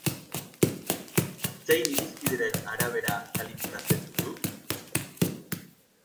Zein irizpideren arabera kalifikatzen duzu?